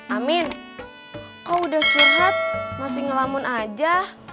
amin kau udah curhat masih ngelamun aja